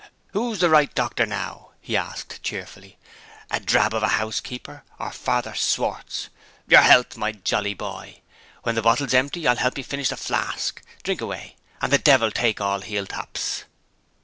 "Who's the right doctor now?" he asked cheerfully. "A drab of a housekeeper? or Father Schwartz? Your health, my jolly boy! When the bottle's empty, I'll help you to finish the flask. Drink away! and the devil take all heel taps!"